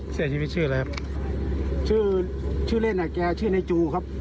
เสียชีวิตชื่ออะไรครับชื่อชื่อเล่นอ่ะแกชื่อในจูครับ